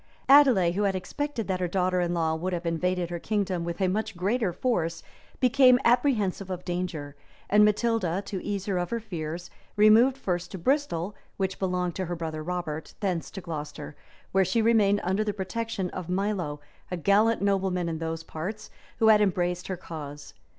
Adelais, who had expected that her daughter in law would have invaded the kingdom with a much greater force, became apprehensive of danger; and Matilda, to ease her of her fears, removed first to Bristol, which belonged to her brother Robert, thence to Glocester, where she remained under the protection of Milo, a gallant nobleman in those parts, who had embraced her cause.